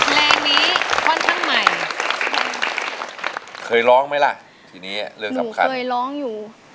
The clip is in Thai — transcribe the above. เพลงนี้ค่อนข้างใหม่เคยร้องไหมล่ะทีนี้เรื่องเคยร้องอยู่